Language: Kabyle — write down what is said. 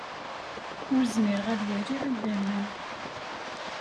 Ur zmireɣ ad waliɣ idammen.